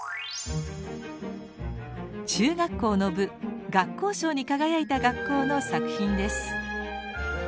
中学校の部学校賞に輝いた学校の作品です。